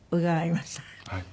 はい。